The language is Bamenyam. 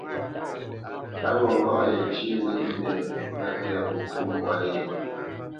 Á wût ŋâ yecə́ lyéʼmbî, ŋá tɛ̂ popó mbwǎ yé.